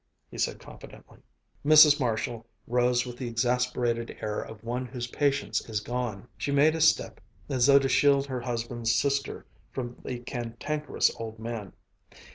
he said confidently. Mrs. Marshall rose with the exasperated air of one whose patience is gone. She made a step as though to shield her husband's sister from the cantankerous old man.